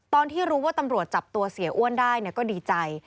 ตอนที่รู้ว่าตำรวจจับตัวเสียอ้วนได้ก็ดีใจ